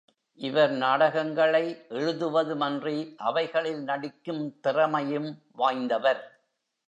இவர் நாடகங்களை எழுதுவதுமன்றி, அவைகளில் நடிக்கும் திறமையும் வாய்ந்தவர்.